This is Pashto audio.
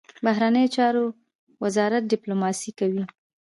بهرنیو چارو وزارت ډیپلوماسي کوي